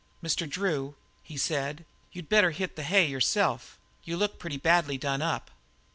"Mr. Drew," he said, "you'd better hit the hay yourself; you look pretty badly done up."